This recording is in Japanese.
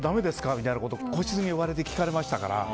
みたいなことを個室に呼ばれて聞かれましたから。